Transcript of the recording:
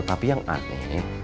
tapi yang aneh